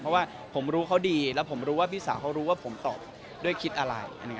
เพราะว่าผมรู้เขาดีแล้วผมรู้ว่าพี่สาวเขารู้ว่าผมตอบด้วยคิดอะไร